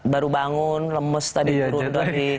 baru bangun lemes tadi turun dari